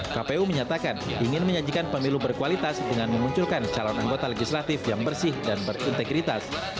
kpu menyatakan ingin menyajikan pemilu berkualitas dengan memunculkan calon anggota legislatif yang bersih dan berintegritas